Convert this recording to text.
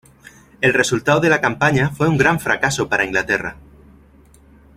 El resultado de la campaña fue un gran fracaso para Inglaterra.